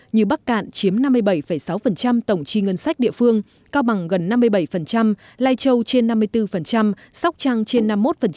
như bắc cạn chiếm năm mươi bảy sáu tổng chi ngân sách địa phương cao bằng gần năm mươi bảy lai châu trên năm mươi bốn sóc trăng trên năm mươi một